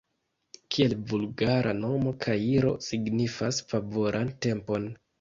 Kiel vulgara nomo kairo signas favoran tempon.